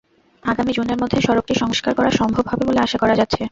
আগামী জুনের মধ্যে সড়কটি সংস্কার করা সম্ভব হবে বলে আশা করা যাচ্ছে।